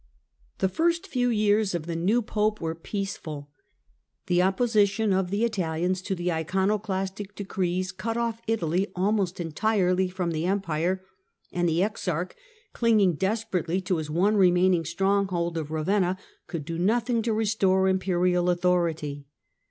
The first few j'ears of the new Pope were peaceful. The opposition of the Italians to the Iconoclastic decrees cut off Italy almost entirely from the Empire, and the exarch, clinging desperately to his one remaining stronghold of Ravenna, could do nothing to restore Imperial authority.